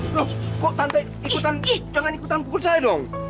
loh kok tante ikutan jangan ikutan kubur saya dong